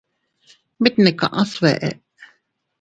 Mit ne kaʼa sbeʼe.